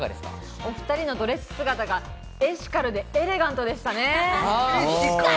お２人のドレス姿がエシカルでエレガントでしたね。